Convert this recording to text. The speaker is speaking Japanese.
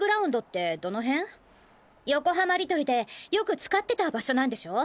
横浜リトルでよく使ってた場所なんでしょ？